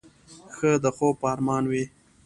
ښه د خوب په ارمان وې.